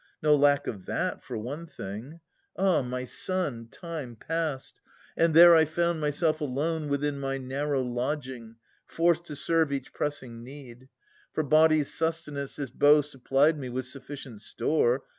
No lack of that, for one thing !— Ah ! my son. Time passed, and there I found myself alone Within my narrow lodging, forced to serve Each pressing need. For body's sustenance This bow supplied me with sufficient store.